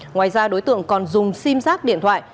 ngoài ra đối tượng còn dùng sim giác điện thoại